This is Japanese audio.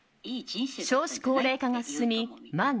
少子高齢化が進み満